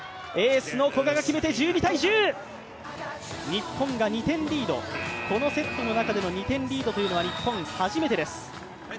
日本が２点リード、このセットの中での２点リードというのは日本、初めてです。